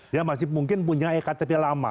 dia masih mungkin punya ektp lama